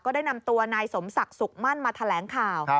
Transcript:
ได้นำตัวนายสมศักดิ์สุขมั่นมาแถลงข่าว